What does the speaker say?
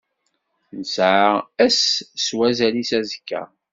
Nesɛa ass s wazal-is azekka.